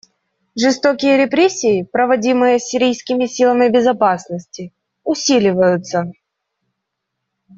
Жестокие репрессии, проводимые сирийскими силами безопасности, усиливаются.